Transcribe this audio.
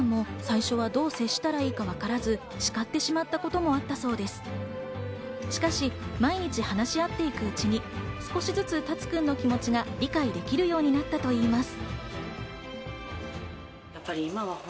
タツくんのお母さんも、最初はどう接したらいいかわからず、叱ってしまったこともあったそうです。しかし毎日話し合っていくうちに、少しずつ、タツくんの気持ちが理解できるようになったといいます。